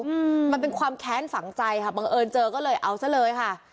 อืมมันเป็นความแค้นฝังใจค่ะบังเอิญเจอก็เลยเอาซะเลยค่ะ